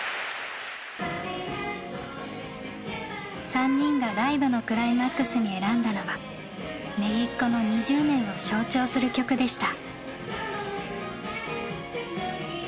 ３人がライブのクライマックスに選んだのはＮｅｇｉｃｃｏの２０年を象徴する曲でした。